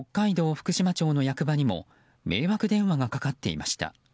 福島町の役場にも迷惑電話がかかっていました。